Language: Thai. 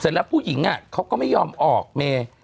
เสร็จแล้วผู้หญิงเขาก็ไม่ยอมออกเมร์